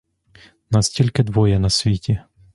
Нас тільки двоє на світі.